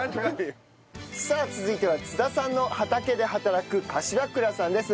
さあ続いては津田さんの畑で働く柏倉さんです。